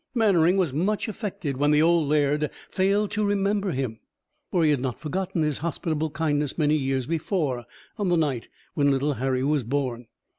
Mannering was much affected when the old laird failed to remember him, for he had not forgotten his hospitable kindness many years before, on the night when little Harry was born.